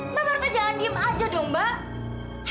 mbak marka jangan diem aja dong mbak